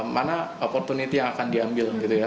mana opportunity yang akan diambil gitu ya